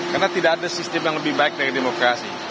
karena tidak ada sistem yang lebih baik dari demokrasi